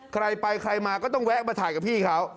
ใครไปใครมาก็ต้องแวะมาถ่ายกับพี่เขา